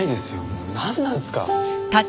もうなんなんすか！？